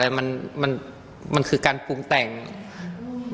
นางหนุ่มมองข้างหลังอีกแล้วเนี่ย